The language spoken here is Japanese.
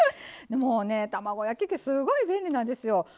もうね卵焼き器すごい便利なんですよ。